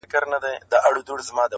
و تاسو ته يې سپين مخ لارښوونکی، د ژوند~